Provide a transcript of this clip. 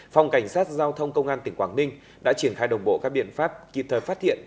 phòng cảnh sát giao thông công an tỉnh quảng ninh đã triển khai đồng bộ các biện pháp kịp thời phát hiện